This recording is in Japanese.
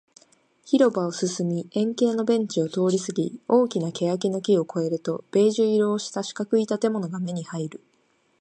広場を進み、円形のベンチを通りすぎ、大きな欅の木を越えると、ベージュ色をした四角い建物が目に入る